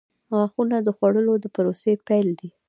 • غاښونه د خوړلو د پروسې پیل دی.